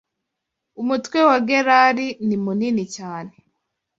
umutwe wa gerari ni Munini cyane